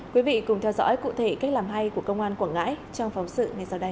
quý vị cùng theo dõi cụ thể cách làm hay của công an quảng ngãi trong phóng sự ngay sau đây